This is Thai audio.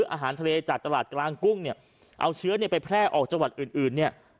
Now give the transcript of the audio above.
อาหารทะเลจากตลาดกลางกุ้งเนี่ยเอาเชื้อเนี่ยไปแพร่ออกจังหวัดอื่นอื่นเนี่ย